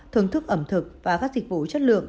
thưởng thức ẩm thực và các dịch vụ chất lượng